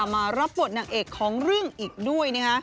มารับบทนางเอกของเรื่องอีกด้วย